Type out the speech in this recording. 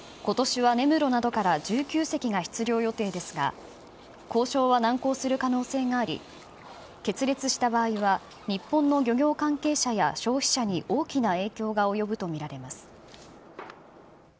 ことしは根室などから１９隻が出漁予定ですが、交渉は難航する可能性があり、決裂した場合は、日本の漁業関係者や消費者に大きな影響が及ぶと見られます。